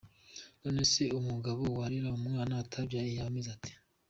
nonese umugabo warera umwana atabyaye yaba ameze ate?.